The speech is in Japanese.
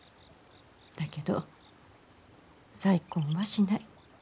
だけど再婚はしない。